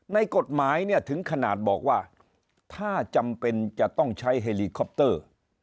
ในกฎหมายเนี่ยถึงขนาดบอกว่าถ้าจำเป็นจะต้องใช้เฮลีคอปเตอร์